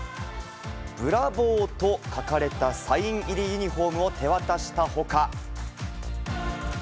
ブラボーと書かれたサイン入りユニホームを手渡したほか。